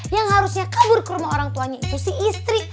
yang harusnya kabur ke rumah orang tuanya itu si istri